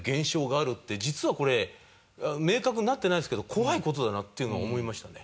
実はこれ明確になってないですけど怖い事だなっていうのは思いましたね。